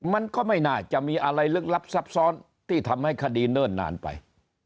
มันก็ไม่น่าจะมีอะไรลึกลับซับซ้อนที่ทำให้คดีเนิ่นนานไป